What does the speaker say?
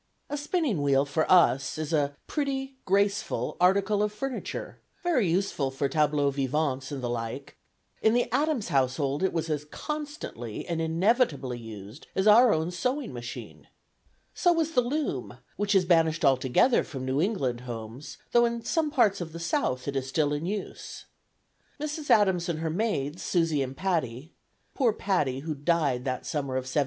A spinning wheel, for us, is a pretty, graceful article of furniture, very useful for tableaux vivants and the like; in the Adams household it was as constantly and inevitably used as our own sewing machine. So was the loom, which is banished altogether from New England homes, though in some parts of the South it is still in use. Mrs. Adams and her maids, Susie and Patty (poor Patty, who died that summer of 1775!)